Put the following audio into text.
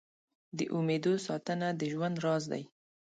د امېدو ساتنه د ژوند راز دی.